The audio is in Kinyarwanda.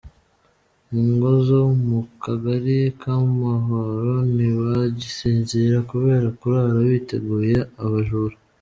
Mu ngo zo mu kagali k’amahoro ntibagisinzira kubera kurara biteguye abajura.